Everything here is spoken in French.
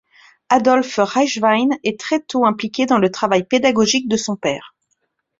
Adolf Reichwein est très tôt impliqué dans le travail pédagogique de son père.